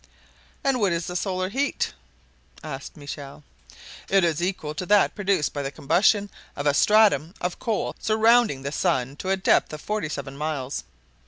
"And what is the solar heat?" asked Michel. "It is equal to that produced by the combustion of a stratum of coal surrounding the sun to a depth of forty seven miles."